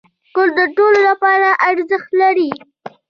کور د ټولو لپاره ارزښت لري.